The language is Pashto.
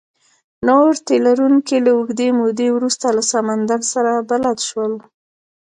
نور تي لرونکي له اوږدې مودې وروسته له سمندر سره بلد شول.